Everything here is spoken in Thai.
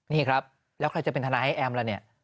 นี่ครับแล้วใครจะเป็นทนายให้แอมล่ะเนี่ย